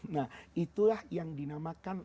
nah itulah yang dinamakan